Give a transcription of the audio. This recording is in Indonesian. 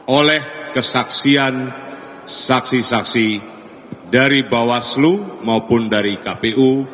oleh kesaksian saksi saksi dari bawaslu maupun dari kpu